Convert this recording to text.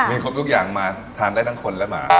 มีครบทุกอย่างมาทานได้ทั้งคนและหมา